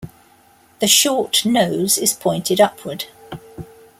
The short nose is pointed upward.